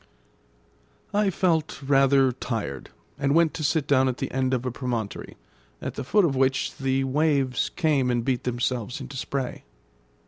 I felt rather tired, and went to sit down at the end of a promontory, at the foot of which the waves came and beat themselves into spray.